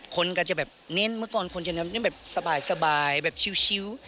คนก็จะแบบเน้นเมื่อก่อนคนจะเน้นแบบสบายแบบชิว